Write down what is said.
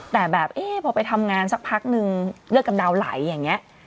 แต่แบบเอ๊ะพอไปทำงานสักพักนึงเลือดกำดาวไหลอย่างนี้